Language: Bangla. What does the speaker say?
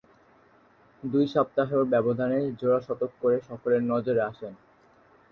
দুই সপ্তাহের ব্যবধানে জোড়া শতক করে সকলের নজরে আসেন।